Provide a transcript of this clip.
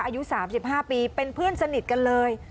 อายุ๓๕ปีเป็นเพื่อนสนิทกันเลย